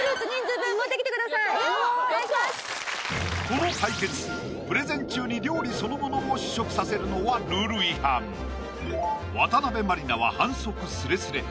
この対決プレゼン中に料理そのものを試食させるのはルール違反渡辺満里奈は反則スレスレ